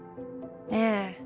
ええ。